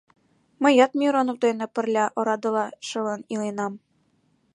Мыят Миронов дене пырля орадыла шылын иленам.